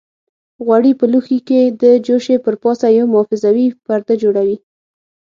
غوړي په لوښي کې د جوشې پر پاسه یو محافظوي پرده جوړوي.